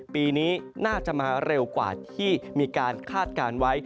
ปีนี้น่าจะมาเร็วกว่าที่มีการคาดการณ์ไว้